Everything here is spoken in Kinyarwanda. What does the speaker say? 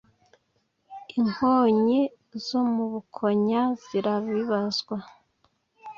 inkonyi zo mu bukonya zirabibazwa